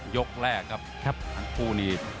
ยกแรกครับทั้งคู่นี่